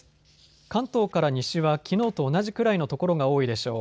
関東から西はきのうと同じくらいの所が多いでしょう。